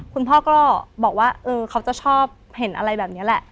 คุณพ่อก็บอกว่าเขาจะชอบเห็นอะไรแบบนี้แหละ